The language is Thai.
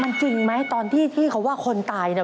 มันจริงไหมตอนที่เขาว่าคนตายนะ